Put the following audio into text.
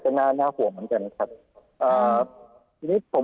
จะน่าห่วงเหมือนกันครับ